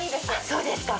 そうですか。